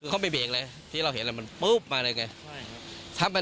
แม้งไม่รู้เลยว่าชนเขาเห็นว่าไป